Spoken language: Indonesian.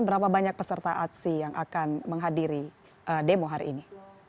berapa banyak peserta aksi yang akan menghadiri demo hari ini